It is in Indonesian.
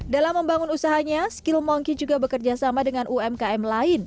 dalam membangun usahanya skill monkey juga bekerja sama dengan umkm lain